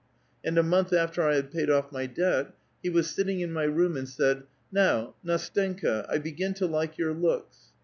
And a montli after I had paid off my debt, he was silting in my room, and said, ' Now, Ndstenka, I begin to like your looks.'